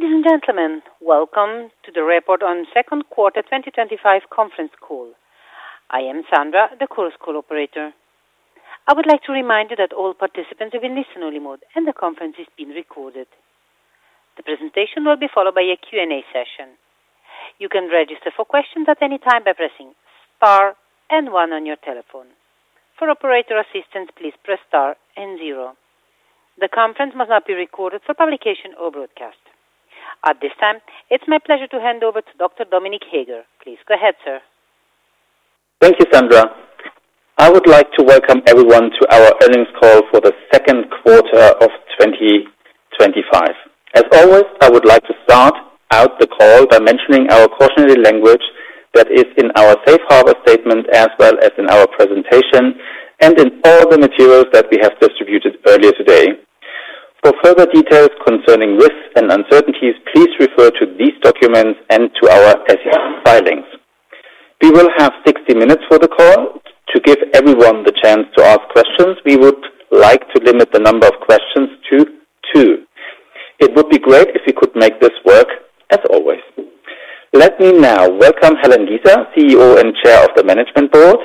Ladies and gentlemen, welcome to the report on second quarter 2025 conference call. I am Sandra, the course call operator. I would like to remind you that all participants will be in listen only mode and the conference is being recorded. The presentation will be followed by a Q and A session. You can register for questions at any time by pressing one on your telephone. For operator assistance, please press star and the conference must not be recorded for publication or broadcast at this time. It's my pleasure to hand over to Dr. Dominik Heger. Please go ahead, sir. Thank you, Sandra. I would like to welcome everyone to our earnings call for the second quarter of 2025. As always, I would like to start out the call by mentioning our cautionary language that is in our Safe Harbor statement as well as in our presentation and in the material that we have distributed earlier today. For further details concerning risks and uncertainties, please refer to these documents and to our filings. We will have 60 minutes for the call. To give everyone the chance to ask questions, we would like to limit the number of questions to two. It would be great if you could make this work. As always, let me now welcome Helen Giza, CEO and Chair of the Management Board,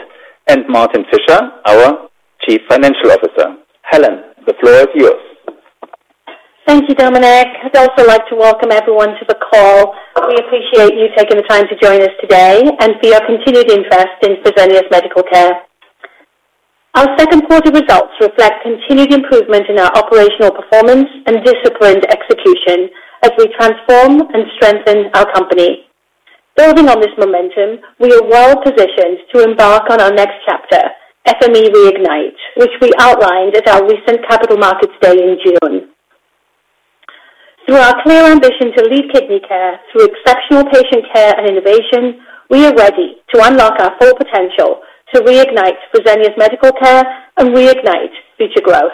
and Martin Fischer, our Chief Financial Officer. Helen, the floor is yours. Thank you, Dominik. I'd also like to welcome everyone to the call. We appreciate you taking the time to join us today and for your continued investment in Fresenius Medical Care. Our second quarter results reflect continued improvement in our operational performance and disciplined execution as we transform and strengthen our company. Building on this momentum, we are well positioned to embark on our next chapter, FME Reignite, which we outlined at our recent capital markets day in June. Through our clear ambition to lead kidney care through exceptional patient care and innovation. We are ready to unlock our full potential. Potential to reignite preventive medical care and reignite future growth.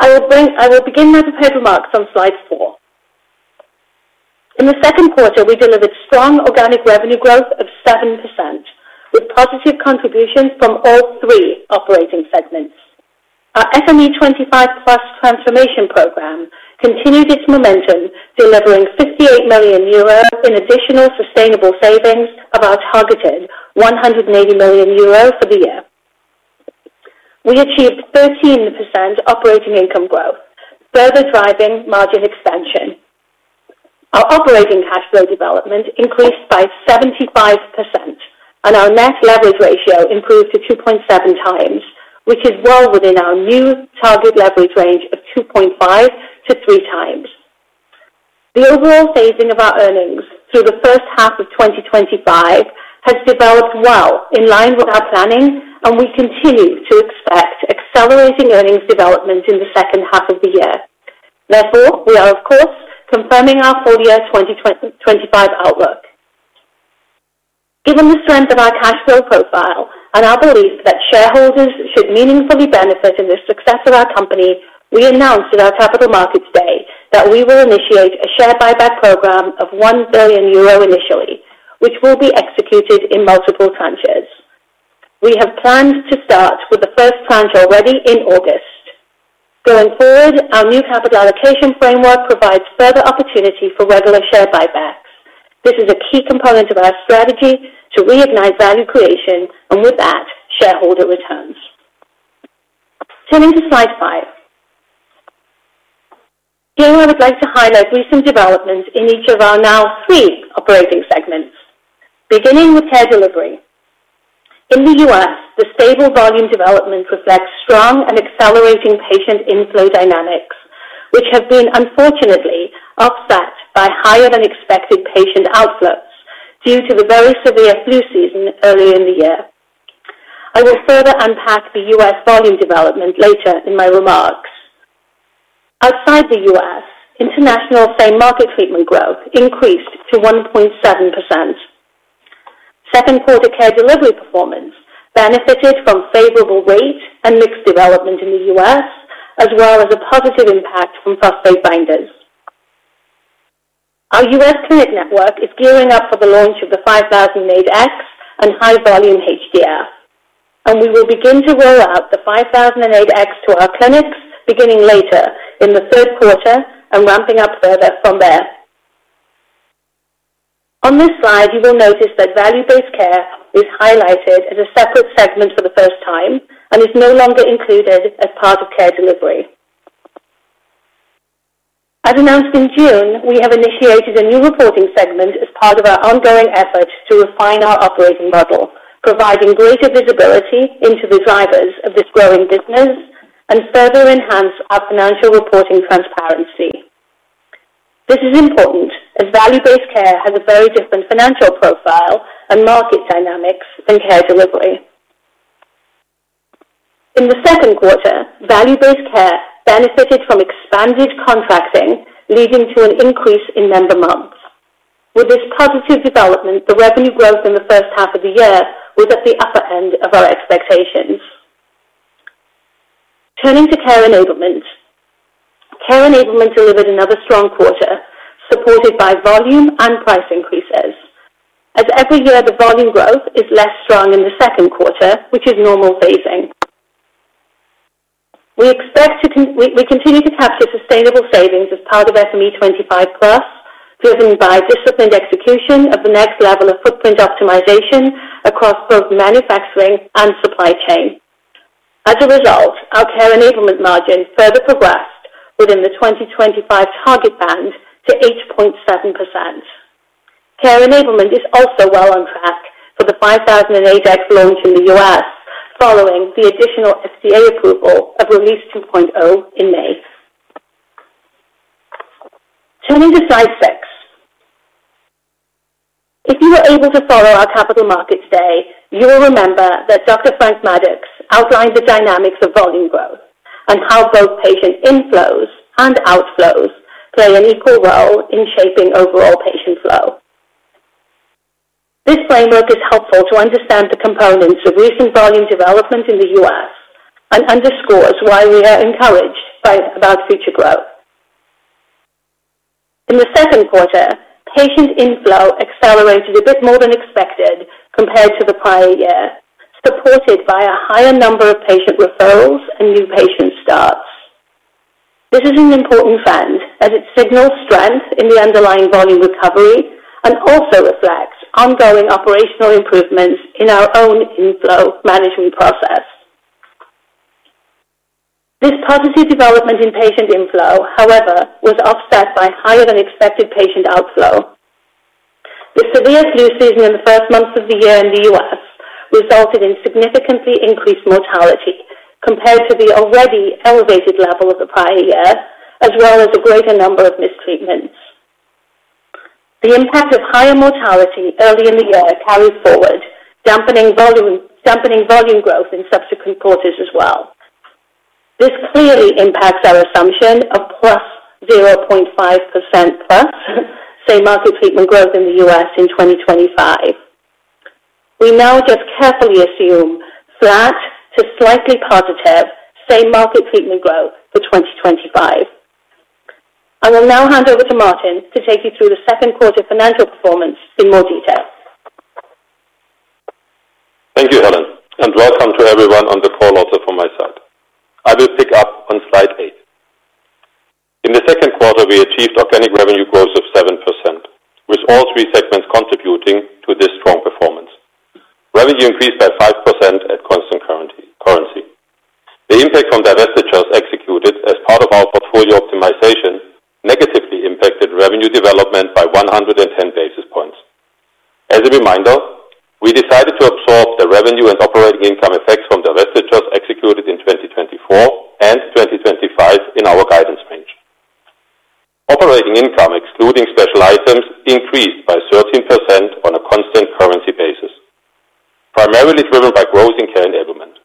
I will begin with the paper marks on Slide 4. In the second quarter, we delivered strong. Organic revenue growth of 7% with positive contributions from all 3 operating segments. Our FME25+ transformation program continued its. Momentum, delivering EUR 58 million in additional sustainable savings of our targeted 180 million euro. For the year, we achieved 13% operating income growth, further driving margin expansion. Our operating cash flow development increased by 75% and our net leverage ratio improved to 2.7x, which is well within our new target leverage range of 2.5 to 3x. The overall phasing of our earnings through the first half of 2025 has developed well in line with our planning, and we continue to expect accelerating earnings development. In the second half of the year, we are of course confirming our full year 2020, given the strength of our cash flow. Profile and our belief that shareholders should. Meaningfully benefit in the success of our company. We announced in our Capital Markets Day that we will share buyback program. Of 1 billion euro initially, which will be executed in multiple tranches. We have planned to start for the. First time already in August, going forward, our new capital allocation framework. Provides further opportunity for regular share buybacks. This is a key component of our. Strategy to reignite value creation and with that shareholder returns, turning to slide 5. Here I would like to highlight recent. Developments in each of our now three operating segments beginning with Care Delivery in the U.S. The stable volume development reflects strong and accelerating patient inflow dynamics, which have been unfortunately offset by higher than expected patient outflows due to the very severe flu season earlier in the year. I will further unpack the U.S. volume. Development later in my remarks. Outside the U.S., international FME market treatment growth increased to 1.7%. Second quarter Care Delivery performance benefited from favorable rate and mix development in the U.S. as well as a positive impact from phosphate binders. Our U.S. clinic network is gearing up for the launch of the 5008X high-volume HDF, and we will begin. To roll out the 5008X high-volume HDF machine to our clinic beginning later in the third quarter and ramping up further from there. On this slide you will notice that Value Based Care is highlighted as a separate segment for the first time and is no longer included as part of Care Delivery. As announced in June, we have initiated. A new reporting segment as part of our ongoing efforts to refine our operating. Model, providing greater visibility into the drivers of this growing business and further enhance our financial reporting transparency. This is important as Value Based Care has a very different financial profile and market dynamics than Care Delivery. In the second quarter, Value Based Care. Benefited from expanded contracting leading to an. Increase in member months. With this positive development, the revenue growth. In the first half of the year. Was at the upper end of our expectations. Turning to Care Enablement, Care Enablement delivered another strong quarter, supported by volume and price increases, as every year the volume. Growth is less strong in the second. Quarter, which is normal phasing. We continue to test the sustainable savings as part of FME25+ driven by disciplined execution of the next level of footprint optimization across both manufacturing and supply chain. As a result, our Care Enablement margin further progressed within the 2025 target band to 8.7%. Care Enablement is also well on track for the 5008X excellence in the U.S. Following the additional FTA approval of release 2.0 in May. If you were able to follow our. Capital Markets Day, you will remember that. Dr. Franklin Maddux outlined the dynamics of. Volume growth and how both patient inflows and outflows play an equal role in shaping overall patient flow. This framework is helpful to understand the components of recent volume development in the U.S. U.S. and underscores why we are encouraged about future growth. In the second quarter, patient inflow accelerated a bit more than expected compared to the prior year, supported by a higher number of patient referrals and new patient starts. This is an important trend as it signals strength in the underlying volume recovery. This also reflects ongoing operational improvements in our own inflow management process. This positive development in patient inflow, however, was offset by higher than expected patient outflow. The severe flu season in the first. Months of the year in the U.S. resulted in significantly increased mortality compared to the already elevated level of the prior year, as well as a greater number of mistreatments. The impact of higher mortality early in the year carry forward, dampening volume growth in subsequent quarters as well. This clearly impacts our assumption of plus. 0.5% say market treatment growth in the U.S. in 2025. We now just carefully assume flat to slightly positive same market sequential growth for 2025. I will now hand over to Martin to take you through the second quarter. Financial performance in more detail. Thank you, Helen, and welcome to everyone on the call. Also from my side, I will pick up on slide 8. In the second quarter, we achieved organic revenue growth of 7% with all three segments contributing to this strong performance. Revenue increased by 5% at constant currency. The impact from divestitures executed as part of our portfolio optimization negatively impacted revenue development by 110 basis points. As a reminder, we decided to absorb the revenue and operating income effects from divestitures executed in 2024 and 2025. In our guidance range, operating income excluding special items increased by 13% on a constant currency basis, primarily driven by growth in Care Enablement.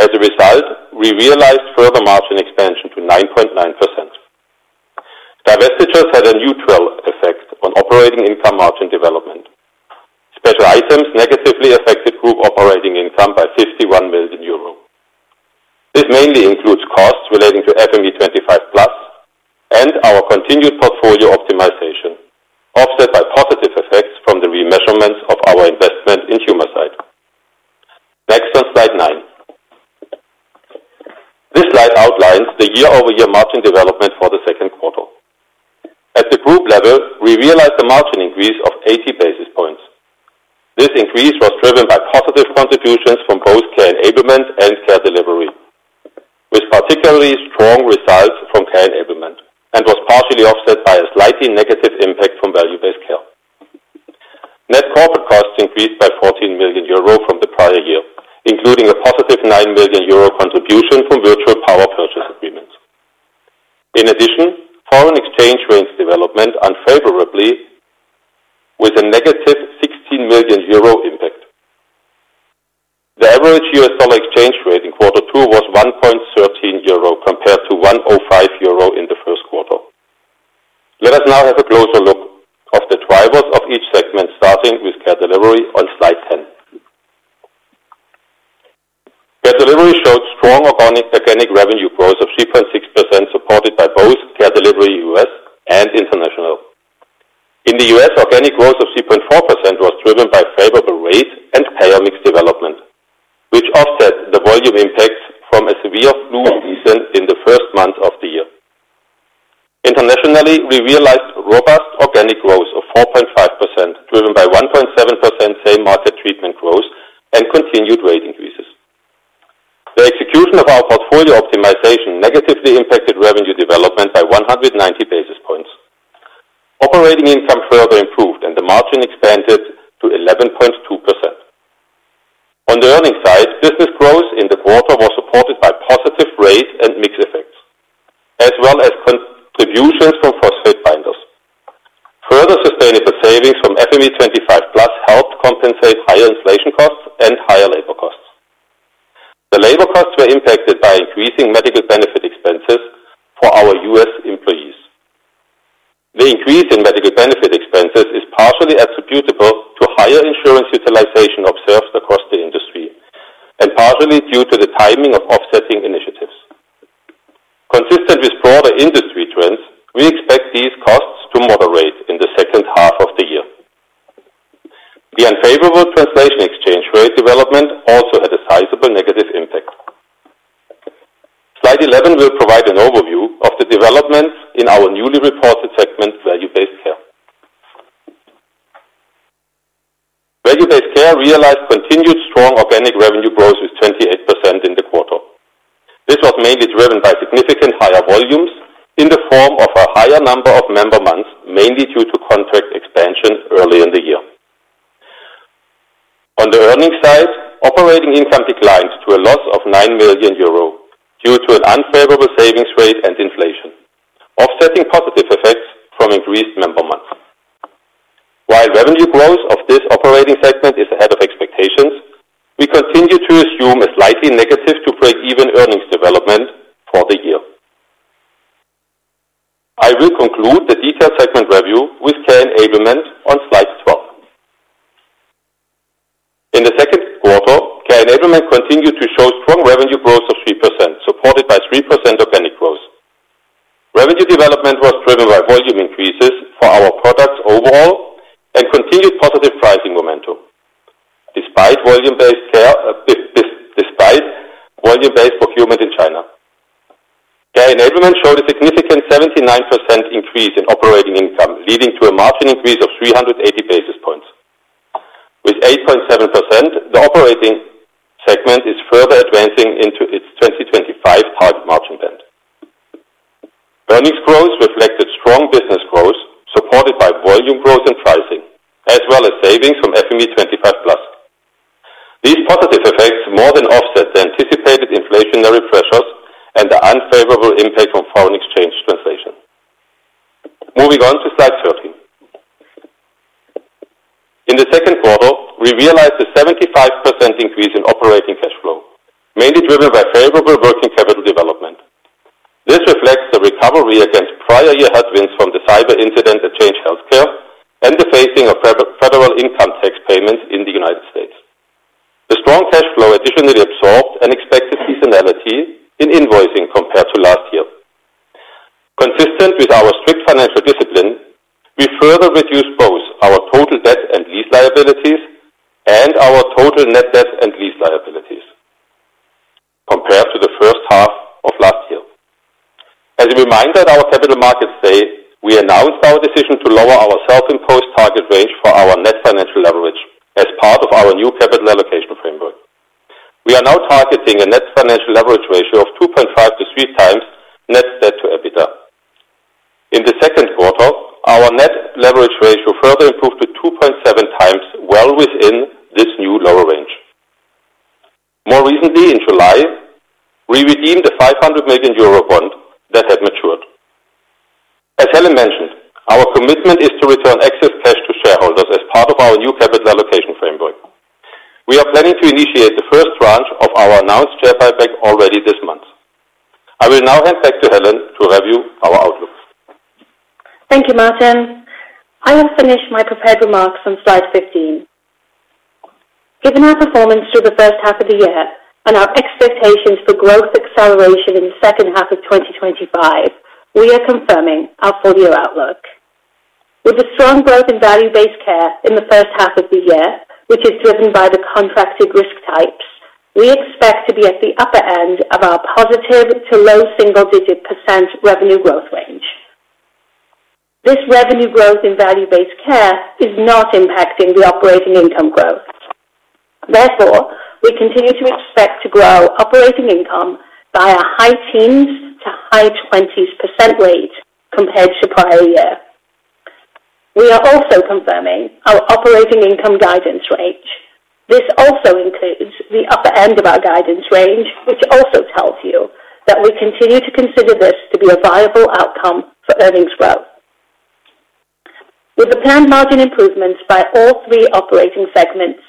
As a result, we realized further margin expansion to 9.9%. Divestitures had a neutral effect on operating income margin development. Special items negatively affected group operating income by 51 million euro. This mainly includes costs relating to FME25+ and our continued portfolio optimization, offset by positive effects from the remeasurements of our investment in Humacyte. Next, on slide 9. This slide outlines the year-over-year margin development for the second quarter. At the group level, we realized a margin increase of 80 basis points. This increase was driven by positive contributions from both Care Enablement and Care Delivery, with particularly strong results from Care Enablement, and was partially offset by a slightly negative impact from Value Based Care. Net corporate costs increased by 14 million euro from the prior year, including a positive 9 million euro contribution from virtual power purchase agreements. In addition, foreign exchange rates developed unfavorably with a negative 16 million euro impact. The average US dollar exchange rate in quarter two was $1.13 per euro compared to $1.05 per euro in the first quarter. Let us now have a closer look at the drivers of each segment, starting with Care Delivery on slide 10. Care. Care Delivery showed strong organic revenue growth of 3.6% supported by both Care Delivery U.S. and International. In the U.S. our value growth of 3.4% was driven by favorable rates and payer mix development, which offset the volume impacts from a severe flu season. The first month of the year. Internationally, we realized robust organic growth of 4.5% driven by 1.7% same market treatment growth and continued rate increases. The execution of our portfolio optimization negatively impacted revenue development by 190 basis points. Operating income further improved, and the margin expanded to 11.2%. On the earnings side, business growth in the quarter was supported by positive rate and mix effects as well as contribution per capita binders. Further sustainable savings from FME25 helped compensate higher inflation costs and higher labor costs. The labor costs were impacted by increasing medical benefit expenses for our U.S. employees. The increase in medical benefit expenses is partially attributable to higher insurance utilization observed across the industry and partially due to the timing of offsetting initiatives. Consistent with broader industry trends, we expect these costs to moderate in the second half of the year. The unfavorable translation exchange rate development also had a sizable negative impact. Slide 11 will provide an overview of the developments in our newly reported segment. Value Based Care. Value Based Care realized continued strong organic revenue growth with 28% in the quarter. This was mainly driven by significantly higher volumes in the form of a higher number of member months, mainly due to contract expansion early in the year. On the earnings side, operating income declined to a loss of 9 million euro due to an unfavorable savings rate and inflation offsetting positive effects from increased member months. While revenue growth of this operating segment is ahead of expectations, we continue to assume a slightly negative to break even. Earnings development for the year. I will conclude the detailed segment review with Care Enablement on Slide 12. In the second quarter, Care Enablement continued to show strong revenue growth of 3%. Supported by 3% of any growth revenue. Development was driven by volume increases for our products overall and continued positive pricing. Momentum. Despite volume-based procurement in China, Care Enablement showed a significant 79% increase in operating income, leading to a margin increase of 380 basis points with 8.7%. The operating segment is further advancing into its 2025 target margin band. Earnings growth reflected strong business growth supported by volume growth and pricing as well as savings from FME25+. These positive effects more than offset the anticipated inflationary pressures and the unfavorable impact. From foreign exchange translation, moving on to slide 13. In the second quarter we realized a 75% increase in operating cash flow, mainly driven by favorable working capital development. This reflects the recovery against prior year headwinds from the cyber incident that changed healthcare and the phasing of federal income tax payments in the U.S. The strong cash flow additionally absorbed unexpected seasonality in invoicing compared to last year. Consistent with our strict financial discipline, we further reduced both our total debt and lease liabilities and our total net debt and lease liabilities compared to the first. Half of last year. As a reminder, at our Capital Markets Day, we announced our decision to lower our self-imposed target range for our net leverage. As part of our new capital allocation framework, we are now targeting a net leverage ratio of 2.5 to 3. Times net debt to EBITDA. In the second quarter, our net leverage ratio further improved to 2.7x, well within this new lower range. More recently, in July, we redeemed a 500 million euro bond that had matured. As Helen mentioned, our commitment is to return excess cash to shareholders as part of our new capital allocation framework. We are planning to initiate the first tranche of our announced share buyback already this month. I will now hand back to Helen to review our outlook. Thank you, Martin. I have finished my prepared remarks on slide 15. Given our performance through the first half. Of the year and our expectations for growth acceleration in the second half of 2025, we are confirming our full year outlook. With the strong growth Value Based Care. care in the first half of the year, which is driven by the contracted risk types, we expect to be at. The upper end of our positive to. Low single digit percentage revenue growth range. Risk revenue growth in Value Based Care is not impacting the operating income growth. Therefore, we continue to expect to grow operating income by a high teens to high 20s percent rate compared to prior year. We are also confirming our operating income guidance range. This also includes the upper end of our guidance range, which also tells you that we continue to consider this to be a viable outcome for earnings growth. With the planned margin improvements by all. Three operating segments,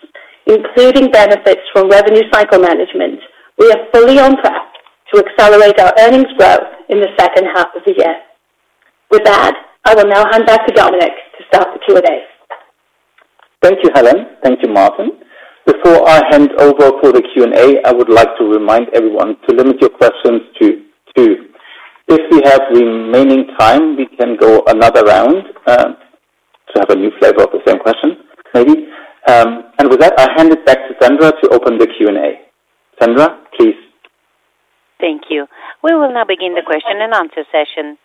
including benefits from revenue cycle management, we are fully on track to accelerate our earnings growth in the second half of the year. With that, I will now hand back. To Dominik to start the Q and A. Thank you, Helen. Thank you, Martin. Before I hand over to the Q&A, I would like to remind everyone to limit your questions to two if you have remaining time. With that, I hand it back to Tendra to open the Q&A. Tendra, please. Thank you. We will now begin the question and answer session.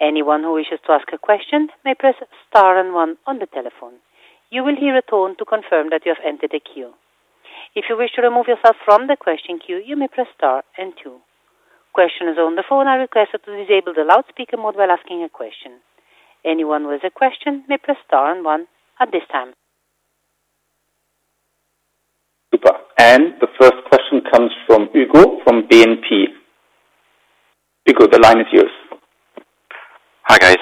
Anyone who wishes to ask a question may press Star and one on the telephone. You will hear a tone to confirm that you have entered the queue. If you wish to remove yourself from the question queue, you may press Star and two. Questioners on the phone are requested to disable the loudspeaker mode while asking a question. Anyone with a question may press Star and one at this time. The first question comes from Hugo Solvet from BNP. Hugo, the line is yours. Hi guys,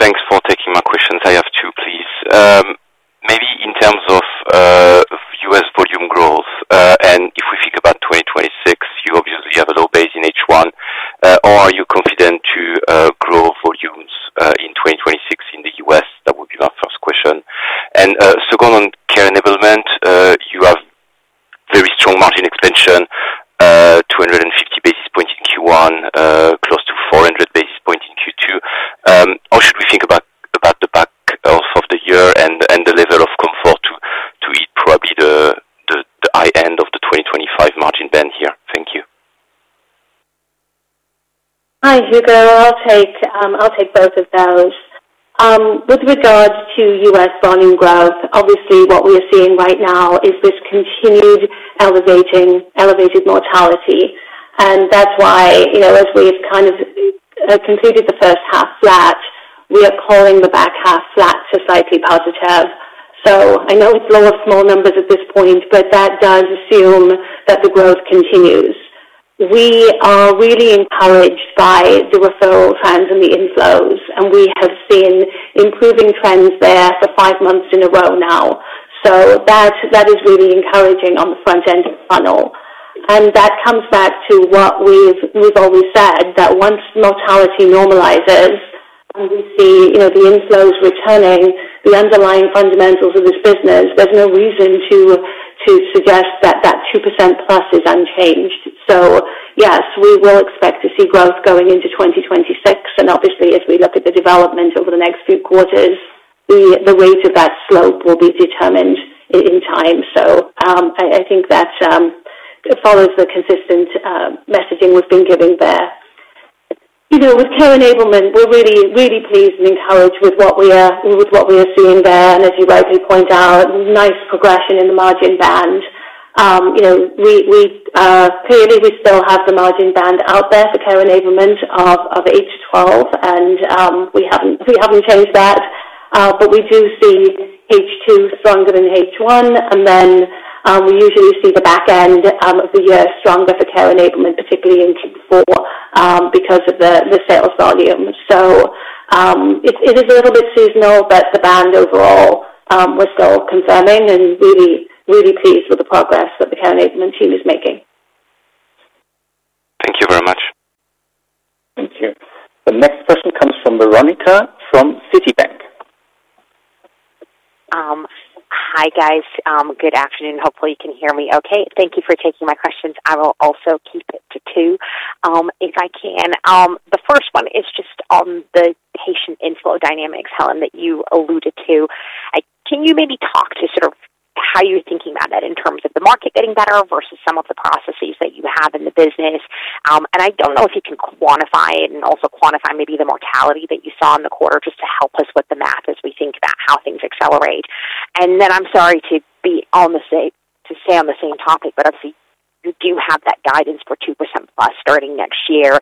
thanks for taking my questions. I have two please. Maybe in terms of U.S. volume growth and if we think about 2026, you obviously have a low base in H1, are you confident to grow volumes in 2026 in the U.S. that would be. Second, on Care Enablement, you have very strong margin expansion. 250 basis points in Q1, close to 400 basis points in Q2. How should we think about the back? Half of the year and the level of comfort to probably the high end of the 2025 margin band here? Thank you. Hi Hugo, I'll take both of those. With regards to U.S. volume growth, obviously what we're seeing right now is this continued elevated mortality. That's why as we kind of concluded the first half flat, we are calling the back half flat to slightly positive. I know a lot of small numbers at this point, but that does assume that the growth continues. We are really encouraged by the referral trends and the inflows, and we have seen improving trends there for five months. That is really encouraging on the front end of the funnel. That comes back to what we've always said, that once more normalizes and we see the inflows returning, the underlying fundamentals of the business, there's no reason to suggest that that 2%+ is unchanged. Yes, we will expect to see. Growth going into 2026, and obviously as we look at the development over the next few quarters, the rate of that slope will be determined in time. I think that follows the consistent messaging we've been giving there. You know, with Care Enablement, we're really, really pleased and encouraged with what we are, with what we are seeing there. As you rightly point out, nice progression in the margin band. You know, clearly we still have the. Margin band out there for Care Enablement of H1, H2, and we haven't found that, but we do see H2 stronger than. H1, and then we usually see the back end of the year stronger for us. Care Enablement, particularly in Care Enablement because of the sales volume. It is a little bit seasonal, but the band overall with the open. Farming and really pleased with the progress that the team is making. Thank you very much. The next question comes from Veronika Dubajova from Citigroup. Hi, guys. Good afternoon. Hopefully you can hear me okay. Thank you for taking my questions. I will also keep it to two if I can. The first one is just on the. Patient inflow dynamics, Helen, that you alluded to. Can you maybe talk to sort of how you're thinking about that in terms of the market getting better versus some of the processes that you have in the business? I don't know if you can quantify it and also quantify maybe the mortality that you saw in the quarter just to help us with the math as we think about how things accelerate. I'm sorry to stay on the same topic, but obviously you do have that guidance for 2%+ starting next year.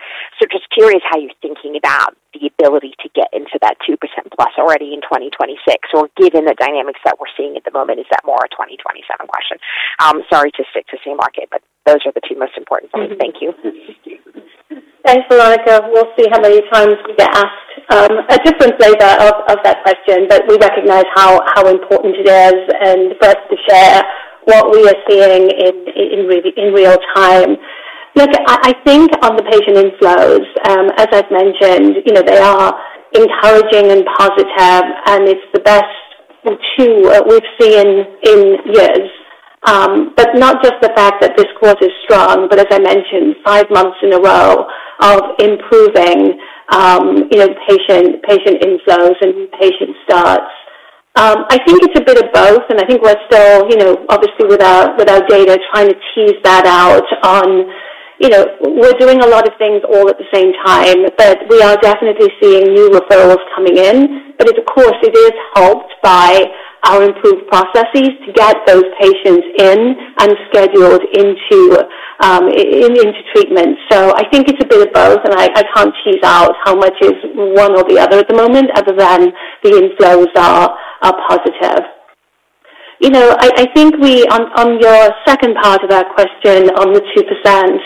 Just curious how you're thinking about the ability to get into that 2%+ already in 2026 or given the dynamics that we're seeing at the moment. Is that more a 2027 question? Sorry to stick to the U.S. market, but those are the two most important points. Thank you. Thanks, Veronika. We will see how many times we get asked a different flavor of that question, but we recognize how important it is. For us to share what we are seeing in real time. Look, I think on the patient inflows, as I've mentioned, there are encouraging. Positive, and it's the best tool we've seen in years. Not just the fact that this. Course is strong, as I mentioned. Five months in a row of improving. Patient inflows and new patient starts. I think it's a bit of both. I think we're still, obviously with our data, trying to tease that out. We're doing a lot of things all at the same time, but we are definitely seeing new referrals coming in. Of course, it is helped by our improved processes to get those patients. In and scheduled into treatment. I think it's a bit of both. I can't keep out how much is one or the other at the moment, other than the inflows are positive. I think we, on the second part of that question with Super Ben,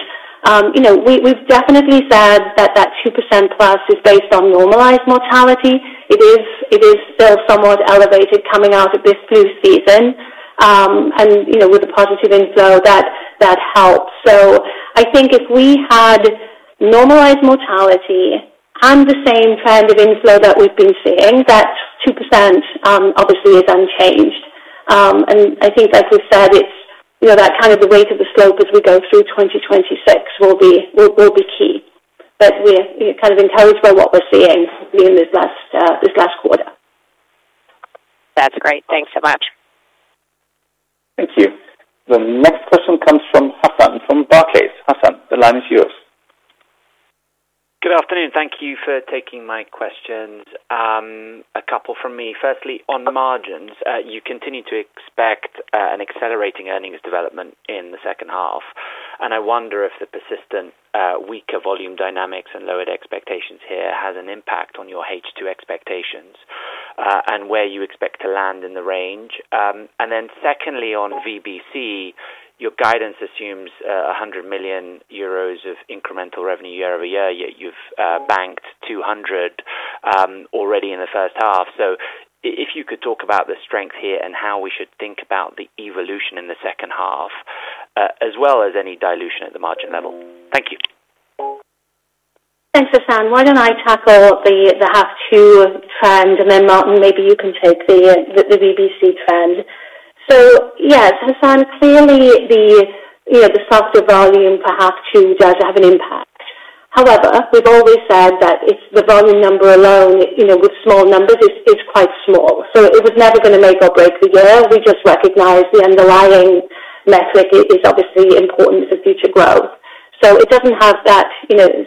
we've definitely said that that circumstance percent normalized mortality, it is somewhat elevated coming out of this even. With the positive inflow, that helps. I think if we had normalized. Mortality and the same trend of inflow that we've been seeing, that 2% of the three of them changed. I think like we've said, it's that kind of the rate of the slope as we go through. 2026 will be key. We're kind of encouraged by what we're seeing in this last quarter. That's great. Thanks so much. Thank you. The next question comes from Hassan from Barclays. Hassan, the line is yours. Good afternoon. Thank you for taking my questions. A couple from me. Firstly, on the margins you continue to expect an accelerating earnings development in the second half. I wonder if the persistent weaker volume dynamics and lowered expectations here has an impact on your H2 expectations and where you expect to land in the range. Secondly, on Value Based Care your guidance assumes 100 million euros of incremental revenue year-over-year, yet you've banked 200 million already in the first half. If you could talk about the strength here and how we should think about the evolution in the second half as well as any dilution at the margin level. Thank you. Thanks, Hassan. Why don't I tackle the HAF2 trend, and then Martin, maybe you can take the VBC trend. Yes, Hassan, clearly the software volume perhaps too does have an impact. However, we've always said that the volume number alone with small numbers, it's quite small. It was never going to make our growth beware. We just recognized the underlying is obviously. Important for future growth. It doesn't have that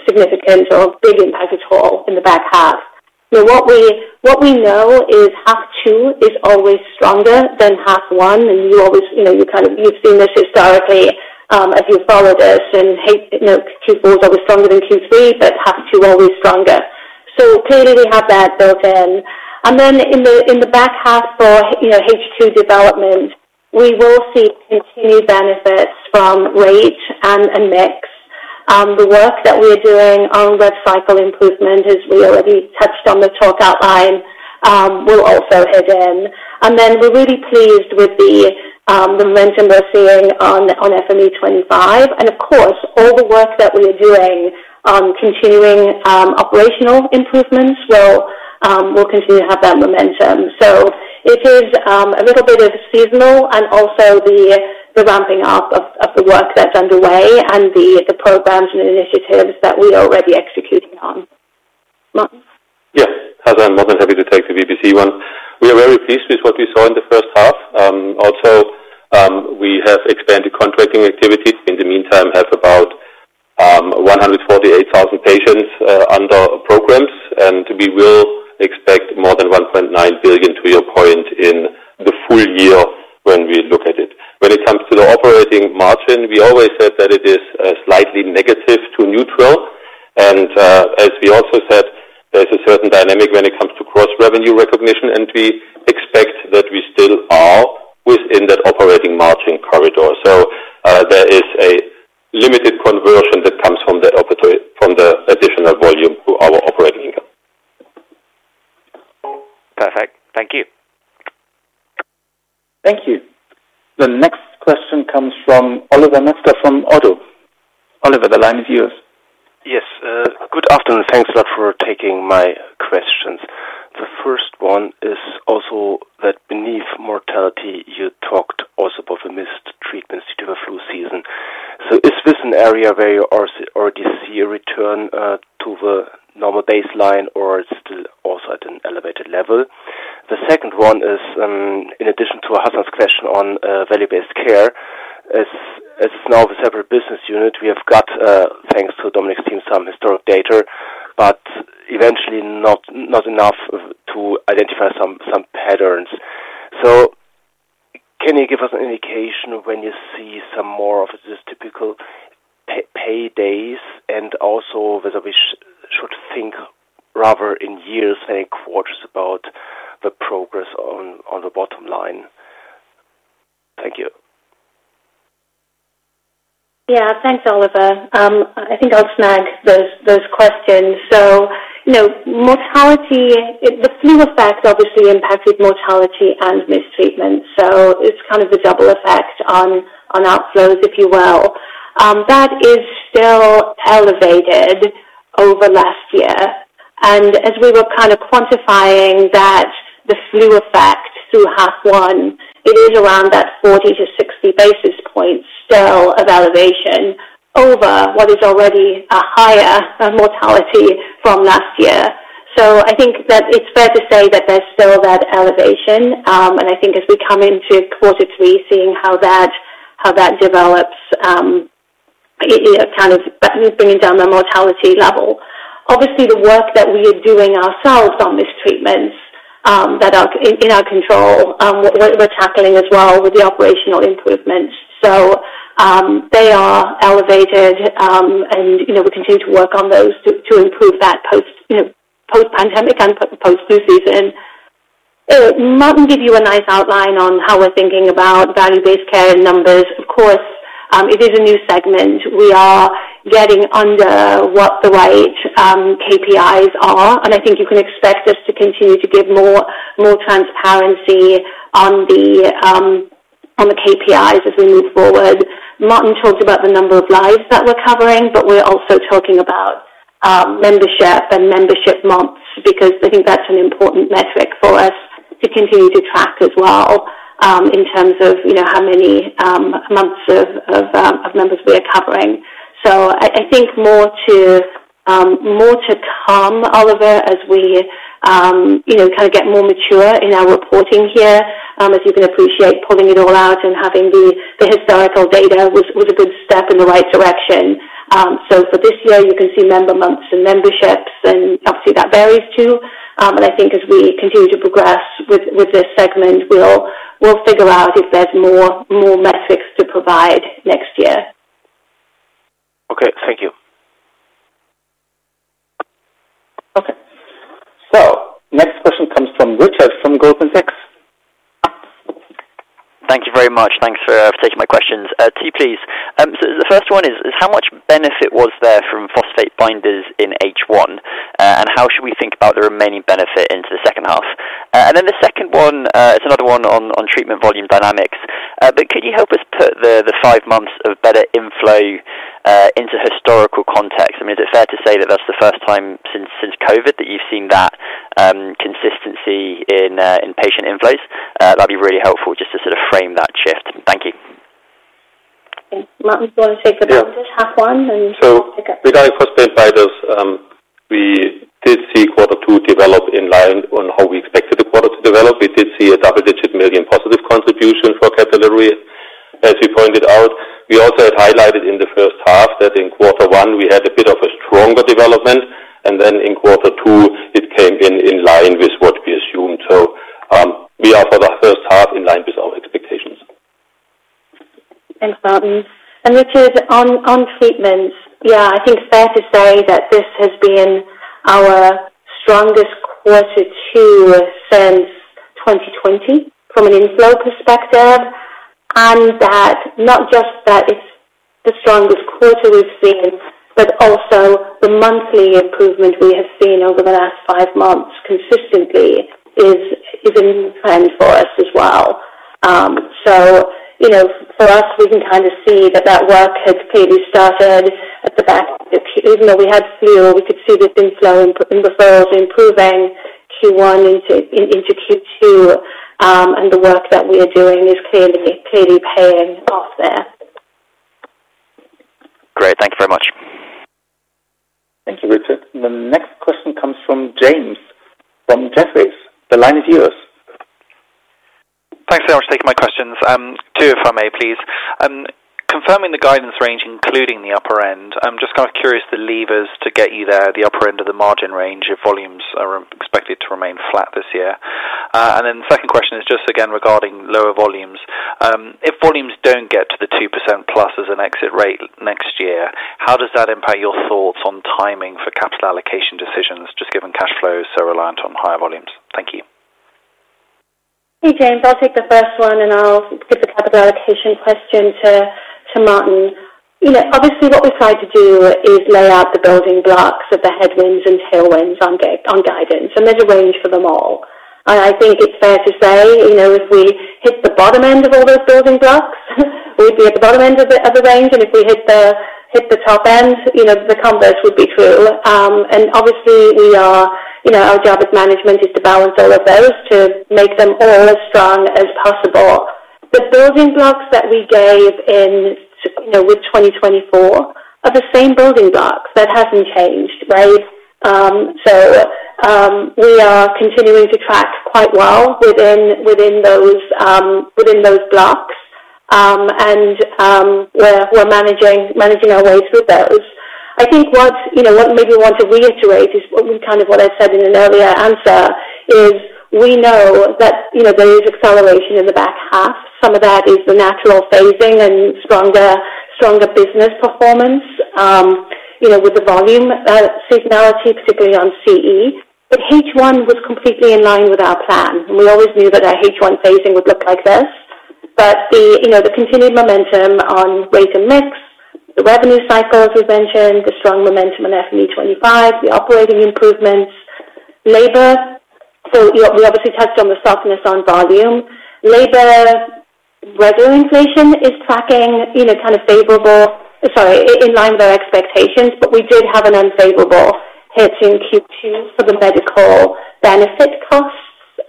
significance. In the bad path. What we know is half two is always stronger than half one, and you always follow this. Q4 is stronger than Q3, that half two are stronger. Clearly, we have that. In the back half, his. Development, we will see continued benefits from rate and mix. The work that we're doing on web. Cycle improvement as we touched on the. Talk outline will, and then we're really pleased with the momentum we're seeing on. FME25 and of course all the. Work that we are doing, continuing operational. Improvements will continue to have that momentum. It is a little bit of seasonal and also the ramping up of the work that's underway and the programs. Initiatives that we are already executing on. Martin? Yes, Hazel, I'm more than happy to take the VPC one. We are very pleased with what we saw in the first half. Also, we have expanded contracting activities. In the meantime, we have about 148,000 patients under programs and, to be real, expect more than $1.9 billion, to your point, in the full year. When we look at it, when it comes to the operating margin, we always said that it is slightly negative to neutral. As we also said, there's a certain dynamic when it comes to gross revenue recognition, and we expect that we still are within that operating margin corridor. There is a limited conversion that comes from that operation. Perfect. Thank you. Thank you. The next question comes from Oliver Metzger from ODDO. Oliver, the line is yours. Yes, good afternoon. Thanks a lot for taking my questions. The first one is also that beneath mortality you talked also about the missed treatments due to the flu season. Was this an area where you already see a return to the normal baseline or also at an elevated level? The second one is in addition to Hassan's question on Value Based Care, it's now a separate business unit. We have got, thanks to Dominik Heger's team, some historic data, but eventually not enough to identify some patterns. Can you give us an indication. When you see some more of this typical paydays, and also whether we should think rather in years and quarters about the progress on the bottom line? Thank you. Yeah, thanks, Oliver. I think I've snagged those questions. Mortality, the blue effects obviously impacted mortality and mistreatment. It is kind of a double effect. On outflows, if you will. That is still elevated over last year. As we were kind of quantifying that flu effect through HUP1, it is. Around that 40 to 60 basis points. Still an elevation over what is already. A higher mortality from last year. I think that it's fair to say that there's still that elevation. I think as we come into corporate three, seeing how that, how that. Develops, bringing down the mortality level, obviously the work that we are. Doing ourselves on these treatments that are. In our control, what's happening as well. With the operational improvements, they are elevated, and we continue to work on those to improve that post-pandemic and post two season. Martin will give you a nice outline on how we're thinking about Value Based Care numbers. Of course, it is a new segment. We are getting under what the right KPIs are, and I think you can expect us to continue to give more transparency on the KPIs as we move forward. Martin talked about the number of lives that we're covering, but we're also talking. About membership and member months because I think that's an important metric for us to continue to track as well in terms of how many months of members we are covering. I think more to come, Oliver, as we kind of get more mature. In our reporting here, if you can approve, pulling it all out and having the hypothetical labor was a good step in the right direction. For this year we can see member months and member steps, and obviously that varies too. I think as we continue to. Progress with this segment, we'll figure out. If there's more metrics to provide next year. Okay, thank you. Next question comes from Richard from Goldman Sachs. Thank you very much. Thanks for taking my questions. The first one is how much benefit was there from phosphate binders in H1, and how should we think about the remaining benefit into the second half? The second one, it's another one. On treatment volume dynamics, could you help us put the five months of better inflow into historical context? I mean, is it fair to say that that's the first time since COVID that you've seen that consistency in patient inflows? That'd be really helpful just to sort of frame that shift. Thank you. We did see quarter two develop in line on how we expected the quarter to develop. We did see a double-digit million positive contribution for category as we pointed out. We also highlighted in the first half that in quarter one we had a bit of a stronger development and then in quarter two it came in in line with what we assumed. We are better first half in line with our expectations. Thanks, Martin and Richard, on treatment. Yeah, I think it's fair to say that. This has been our strongest answer to 2020 from an inflow perspective. It's not just that it's the stronger quarter we've seen, but also the monthly. Improvement we have seen over the last five months consistently is an income for us as well. For us, we can kind of see that repeated stubborn. Even though we had snow, we could. See the theme flowing, improving Q1 into Q2, and the work that we are doing is clearly paying off there. Great, thank you very much. Thank you, Richard. The next question comes from James from Jefferies. The line is yours. Thanks so much for taking my questions. Two, if I may, please. Confirming the guidance range, including the upper end. I'm just kind of curious the levers to get you there, the upper end of the margin range, if volumes are expected to remain flat this year. Second question is just again regarding lower volumes. If volumes don't get to the 2%+ as an exit rate next year, how does that impact your thoughts on timing for capital allocation decisions, just given cash flow so reliant on higher volumes. Thank you. Hey, James, I'll take the first one, and I'll give the capital allocation question to Martin. Obviously, what we try to do is lay out the building blocks of the. Headwinds and tailwinds on guidance, and then arrange for them all. I think it's fair to say if we hit the bottom end of all those building blocks, we'd be at the bottom end of the range. If we hit the top end, the converse would be cool. Obviously, our job as management is to balance all of those to make them all as strong as possible. The building blocks that we gave in with 2024 are the same building blocks. That hasn't changed. Right. We are continuing to track quite well within those blocks, and we're managing our rates with those. I think what you maybe want. To reiterate, is kind of what I. As said in an earlier answer, we know that, you know, there is acceleration. In the back half. Some of that is the natural phasing and stronger business performance, you know, with the volume seasonality on Care Enablement. H1 was completely in line with our plan. We always knew that our H1 phasing would look like this. The continued momentum on rate and mix the revenue cycle As we mentioned, the strong momentum on FME25, the operating improvements, labor. We obviously touched on the softness on volume. Labor, whether inflation is tracking, you know, kind of favorable, in line with our expectations. We did have an unfavorable hit in. Q2 for the medical benefit costs.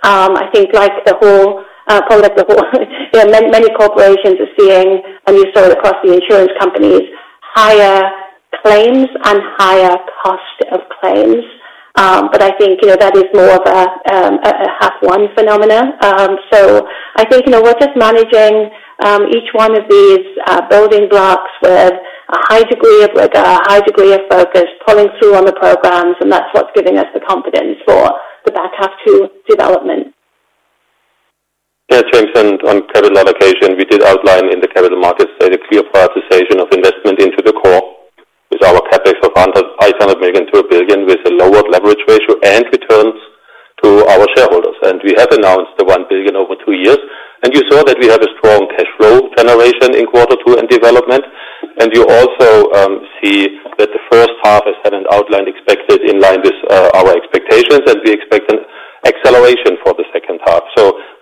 I think like the whole, many corporations are seeing and we saw across the. Insurance companies, higher claims, and higher cost of claims. I think, you know, that is. More of a half one phenomenon. I think, you know, we're just. Managing each one of these building blocks. With a high degree of rigor, high degree of focus, pulling through on the programs. That's what's giving us the confidence for the back half to development. On capital allocation, we did outline in the capital markets clear prioritization of investment into the core, our CapEx of $800 million-$1 billion with a lower leverage ratio and returns to our shareholders. We have announced the $1 billion over two years. You saw that we have a strong cash flow generation in quarter two and development. You also see that the first half has had an outline expected in line with our expectations, and we expect an acceleration for the second half.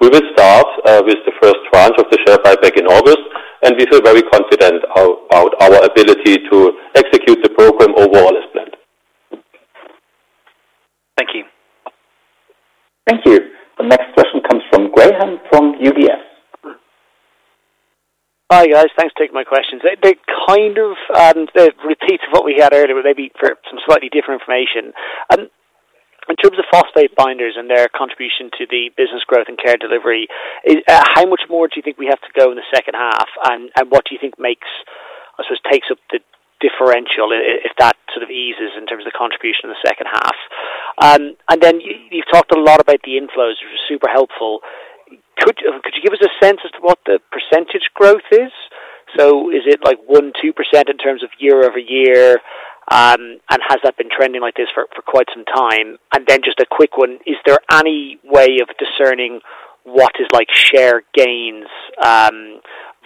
We will start with the first trial of the share buyback in August, and we feel very confident about our ability to execute the program overall as planned. Comes from Graham from UBS. Hi guys, thanks for taking my questions. Kind of repeat what we had earlier, maybe for some slightly different information. In terms of phosphate binders and their contribution to the business growth and Care Delivery, how much more do you think we have to go in the second half? What do you think makes takes up the differential if that sort of eases in terms of contribution in the second half? You've talked a lot about the inflows, which are super helpful. Could you give us a sense as. To what the percentage growth is? Is it like 1%-2% in terms of year-over-year? Has that been trending like this for quite some time? Just a quick one, is there any way of discerning what is share gains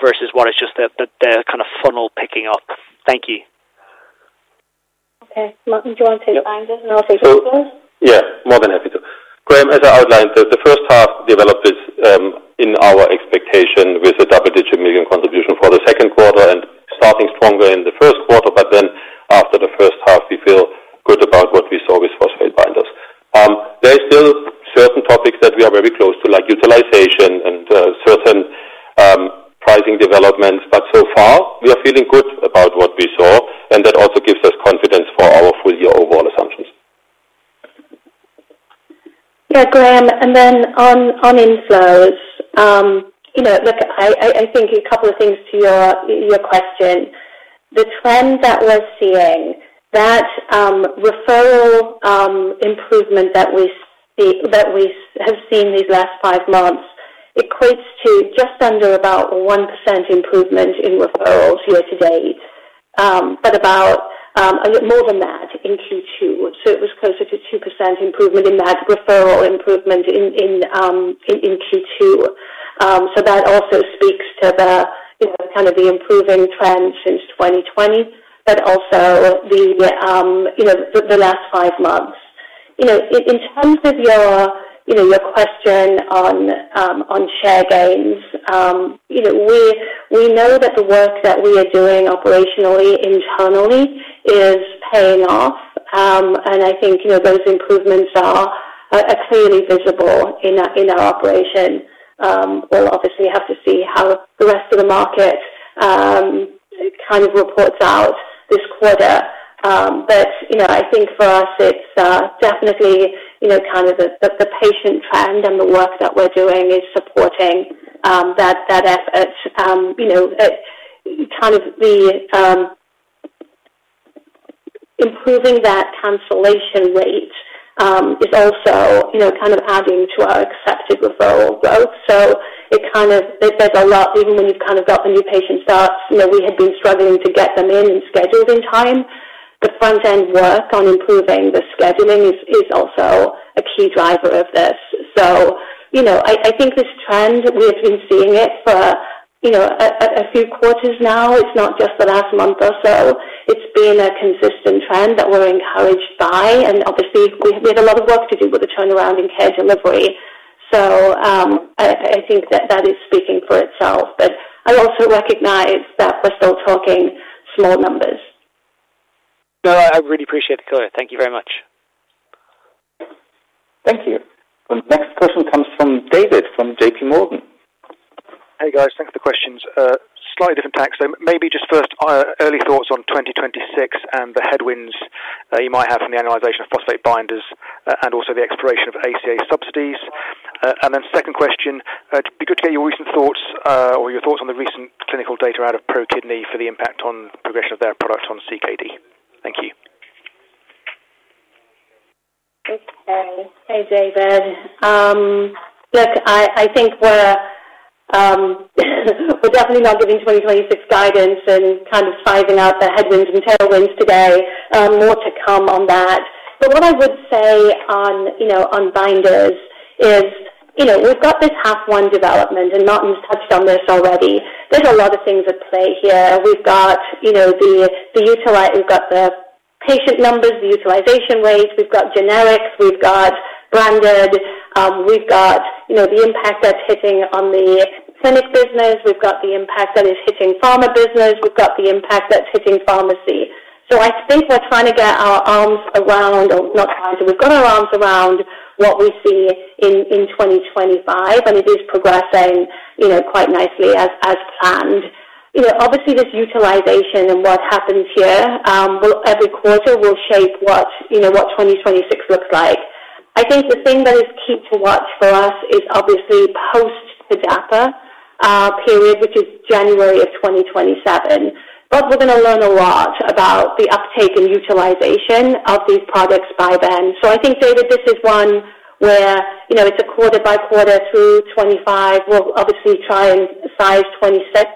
versus what is just the kind of funnel picking up? Thank you. Okay. Yeah, more than happy to. Graham. As I outlined, the first half developed in our expectation with a double-digit million contribution for the second quarter and starting stronger in the first quarter. After the first half, we feel good about what we saw with phosphate binders. There are still certain topics that we are very close to, like utilization and certain pricing developments. So far, we are feeling good about what we saw, and that also gives us confidence. Graham, and then on inflows, you know, look, I think a couple of things to your question. The trend that we're seeing, that referral. Improvement that we have seen these last five months equates to just under about 1% improvement in referrals year to date, but about more than that in Q2. It was closer to 2% improvement in that referral improvement in Q2 That also speaks to the kind of the improving trend since 2020, but also the last five months. In terms of your question on share goings, we know that. The work that we are doing operationally internally is paying off. I think, you know, those improvements. Are certainly visible in our operation. We'll obviously have to see how the. The rest of the market reports out this quarter. I think for us it's definitely the patient trend and the work that we're doing. Doing is supporting that effort, you know, kind of the. Improving that. Cancellation rate is also kind of adding to our accepted referral growth. Even when you kind of got the new patient start, we had been struggling to get them in and scheduled in time. Front end work on improving this is also a key driver of this. I think this trend, we've been seeing it for a few quarters now. It's not just the last month or so. It's been a consistent trend that we're encouraged by. Obviously, we had a lot of. work to do with the turnaround in Care Delivery. I think that is speaking for itself. I also recognize that we're still talking small numbers. No, I really appreciate the caller. Thank you very much. Thank you. Next question comes from David from JPMorgan. Hey guys, thanks for the questions. Slightly different tactics, maybe just first, early thoughts on 2026 and the headwinds you might have in the annualization of phosphate binders and also the expiration of ACA subsidies. Second question, it'd be good to get your recent thoughts or your thoughts on the recent clinical data out of ProKidney for the impact on progression of their product on CKD. Thank you. Hey, David. I think we're definitely not giving 2026 guidance and kind of sizing out the headwinds and tailwinds today. More to come on that. What I would say on binders. We've got this half one development, and Martin touched on this already. There are a lot of things at play here. We've got the utilize, you've got the patient numbers, the utilization rate. We've got generics, we've got branded. We've got the impact that's sitting on the clinic business. We've got the impact on his hitting pharma business. We've got the impact that's hitting pharmacy. I think we're trying to get our arms around or not. We've got our arms around what we see in 2025, and it is progressing quite nicely as planned. Obviously, this utilization and what happens here every quarter will shape what 2026 looks like. I think the thing that is key to what for us is obviously post. The DAPA period, which is January of 2027. We are going to learn a lot. About the uptake and utilization of these products by then. I think David, this is one where you know it's a quarter by quarter through 2025. We'll obviously try and size 2026.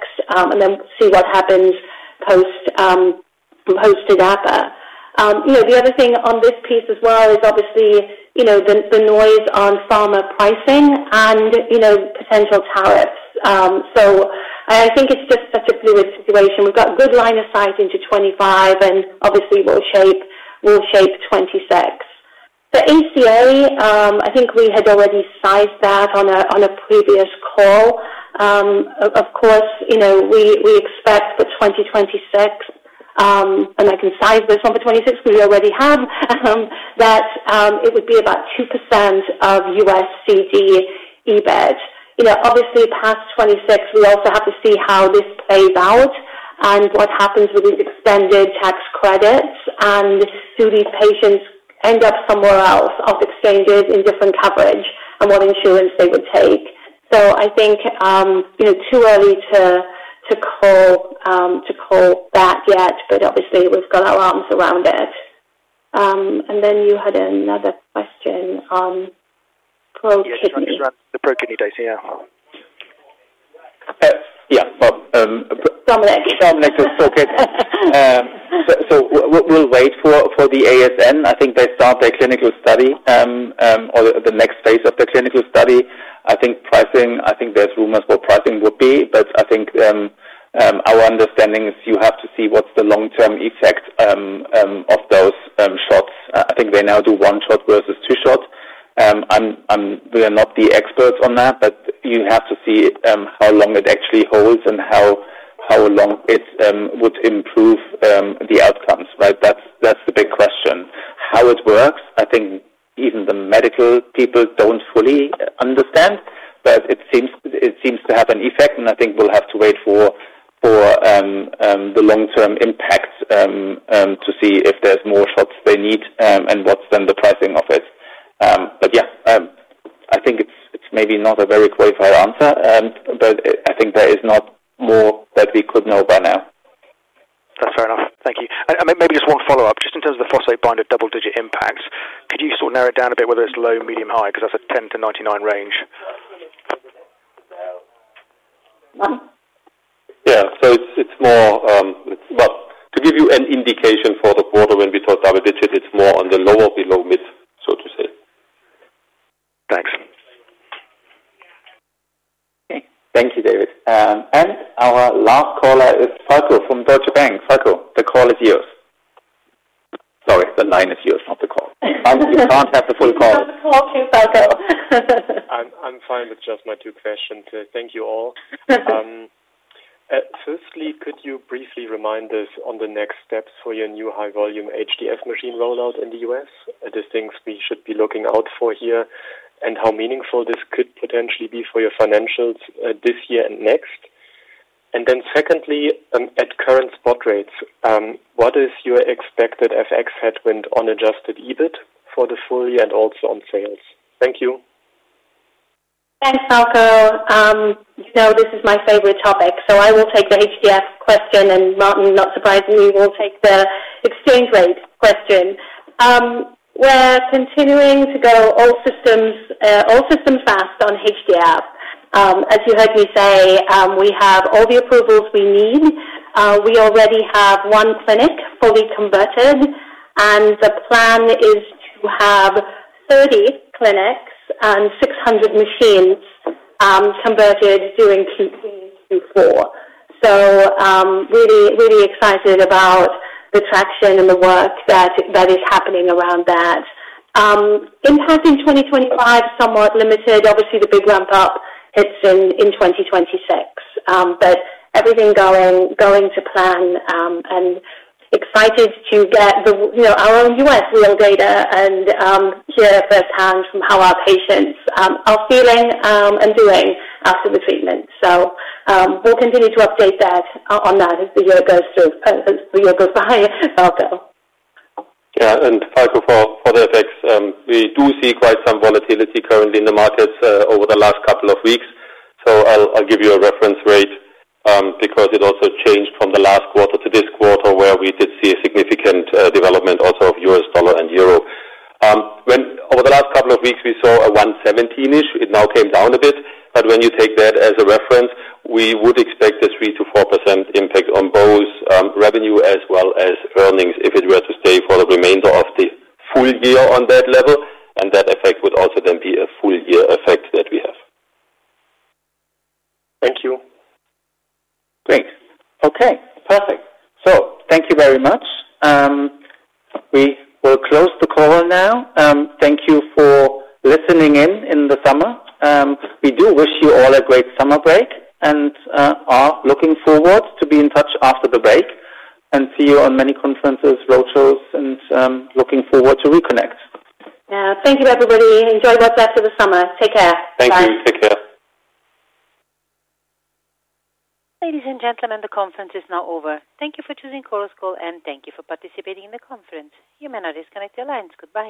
See what happens post evaporation. You know, the other thing on this piece as well is obviously the noise on pharma pricing and potential power. I think it's such a fluid situation. We've got good line of sight into 2025 and obviously we'll shape 2026. The ACA. I think we had already sized that on a previous call. Of course, you know we expect 2026, and I can size this number, 2026. We already have that. It would be about 2% of U.S. CD EBIT. Obviously, past 2026, we'll have to see how this plays out and what happens when we get extended tax credits and do these patients end up somewhere else, off exchanges, in different coverage, and what influence they would take. I think, you know, too ea ly to call that yet, but obviously we've got our arms around it. You had another question. ProKidney, the pro kidney data. Yeah. Yeah. We'll wait for the ASN. I think they start their clinical study or the next phase of the clinical study. I think pricing, I think there's rumors for what pricing would be. I think our understanding is you have to see what's the long-term effect of those shots. I think they now do one shot versus two shots. We are not the experts on that, but you have to see how long it actually holds and how long it would improve the outcomes. That's the big question, how it works. I think even the medical people don't fully understand, but it seems to have an effect and I think we'll have to wait for the long-term impact to see if there's more shots they need and what's then the pricing of it. I think it's maybe not a very qualified answer, but I think there is not more that we could know better now. That's fair enough, thank you. Maybe just one follow up just in. terms of the phosphate binder double-digit impacts, could you sort of narrow it down a bit whether it's low, medium, or high because that's a 10%-99% range. Yeah, it's more to give you an. Indication for the quarter when we talk double digit, it's more on the lower below middle. Thank you, David. Last question is Falko Friedrichs from Deutsche Bank. Falko, the call is yours. Sorry, the line is yours. You can't have the full call. Okay, Falko, I'm fine with just my two questions. Thank you all. Firstly, could you briefly remind us on the next steps for your new 5008X high-volume HDF machine rollout in the U.S., the things we should be looking out for here, and how meaningful this could potentially be for your financials this year and next? Secondly, at current spot rates, what is your expected FX headwind on? Adjusted EBIT for the full year and also on sales. Thank you. Thanks, Falko. You know this is my favorite topic, so I will take the HDF question, and Martin, not surprisingly, will take the extreme rate question. We're continuing to go all syst ms fast. On HDF as you heard me say. We have all the approvals we need. We already have one clinic fully converted, and the plan is to have 30. Clinics and 600 machines converted during PT4. Really, really excited about the section and the work that is happening around that input in 2025 Somewhat limited, obviously, the big ramp up. In 2026, with everything going to plan, excited to get our own U.S. real data and hear firsthand from how our patients are feeling and doing after the treatment. We'll continue to update on that as the year goes through. As the year goes by. Falko, we do see quite some volatility currently in the markets. Over the last couple of weeks. I'll give you a reference rate because it also changed from the last quarter to this quarter where we did see a significant development also of US dollar and Euro. Over the last couple of weeks we saw a 1.17ish. It now came down a bit, but when you take that as a reference, we would expect a 3%-4% impact on both revenue as well as earnings if it were to stay for the remainder of the full year on that level. That effect would also then be. A full year effect that we have. Thank you. Thank you very much. We will close the poll now. Thank you for listening in in the summer. We do wish you all a great summer break and are looking forward to be in touch after the break and see you on many conferences, roadshows, and looking forward to reconnect. Thank you, everybody. Enjoy that for the summer. Take care. Thank you. Take care. Ladies and gentlemen, the conference is now over. Thank you for choosing Chorus Call and thank you for participating in the conference. You may now disconnect your lines. Goodbye.